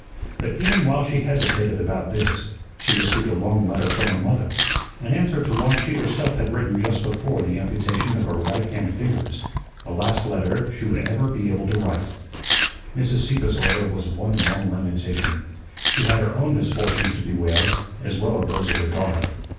But even while she hesitated about this she received a long letter from her mother, an answer to one she herself had written just before the amputation of her right hand fingers the last letter she would ever be able to write. Mrs. Sieppe's letter was one long lamentation; she had her own misfortunes to bewail as well as those of her daughter.